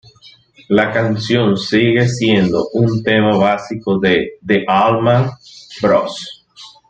La canción sigue siendo un tema básico de The Allman Bros.